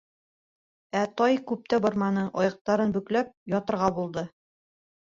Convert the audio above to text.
Ә тай күп тә барманы, аяҡтарын бөкләп ятырға булды.